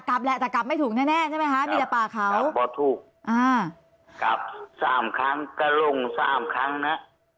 กลับสามครั้งก็ลงสามครั้งนะ